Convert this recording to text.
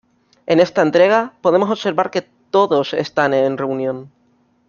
En esta entrega podemos observar que todos están en reunión.